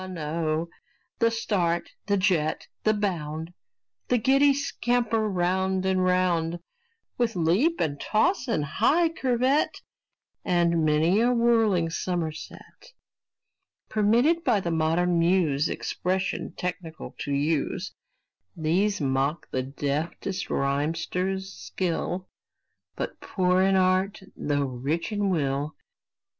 Ah, no! the start, the jet, the bound, The giddy scamper round and round, With leap and toss and high curvet, And many a whirling somerset, (Permitted by the modern muse Expression technical to use) These mock the deftest rhymester's skill, But poor in art, though rich in will.